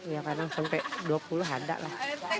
ya kadang sampai dua puluh ada lah